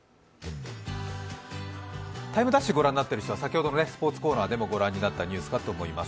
「ＴＩＭＥ’」を御覧になってる人は先ほどのスポーツコーナーでも御覧になったニュースかと思います。